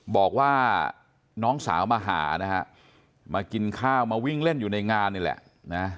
บอกว่าน้องสาวมาหานะฮะมากินข้าวมาวิ่งเล่นอยู่ในงานนี่แหละนะ